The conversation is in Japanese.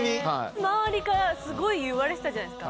周りから、すごいいわれてたじゃないですか。